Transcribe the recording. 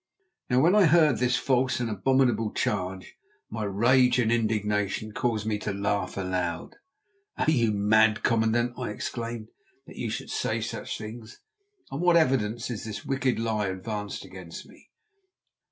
Now when I heard this false and abominable charge my rage and indignation caused me to laugh aloud. "Are you mad, commandant," I exclaimed, "that you should say such things? On what evidence is this wicked lie advanced against me?"